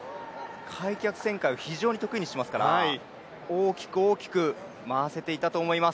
開脚旋回を非常に得意にしていますから大きく大きく回せていたと思います。